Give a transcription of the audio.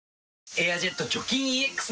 「エアジェット除菌ＥＸ」